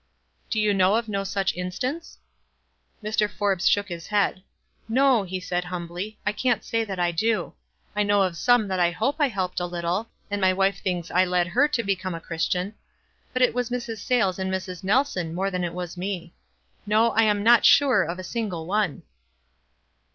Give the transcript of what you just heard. " Do you know of no such instance?" Mr. Forbes shook his head. "No," he said, 384 WISE ATvT) OTHERWISE. humbly, "I can'l say that I do. I know of some that I hope I helped a little — and my wife thinks I led her to become a Christian ; but it was Mrs. Saylcs and Mrs, Nelson more than it was me. No, I'm not sure of a single one."